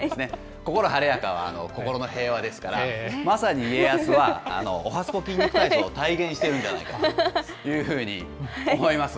心晴れやかは、心の平和ですから、まさに家康は、おはＳＰＯ筋肉体操を体現しているんじゃないかというふうに思います。